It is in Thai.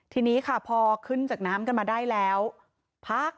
ทีนี้ค่ะพอขึ้นจากน้ำกันมาได้แล้วพัก